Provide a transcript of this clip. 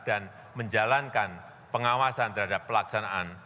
dan menjalankan pengawasan terhadap pelaksanaan